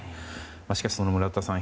しかし、その村田さん